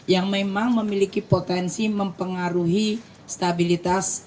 yang memang memiliki potensi mempengaruhi stabilitas